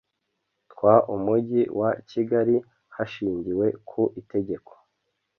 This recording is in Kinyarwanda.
tw umujyi wa kigali hashingiwe ku itegeko